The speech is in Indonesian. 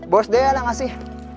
bors deyan yang kasih